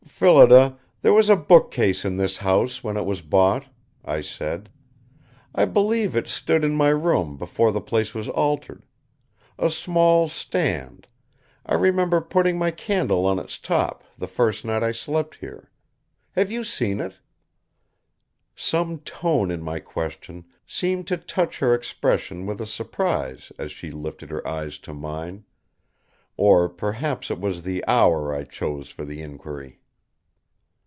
"Phillida, there was a bookcase in this house when it was bought," I said. "I believe it stood in my room before the place was altered. A small stand; I remember putting my candle on its top the first night I slept here. Have you seen it?" Some tone in my question seemed to touch her expression with surprise as she lifted her eyes to mine; or perhaps it was the hour I chose for the inquiry.